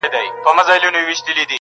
زما غږ د پښتو او پښتو زما د غږ هویت دی